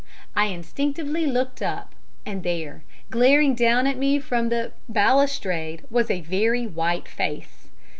I instinctively looked up, and there, glaring down at me from over the balustrade, was a very white face.